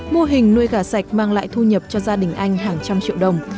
mô hình nuôi gà sạch mang lại thu nhập cho gia đình anh hàng trăm triệu đồng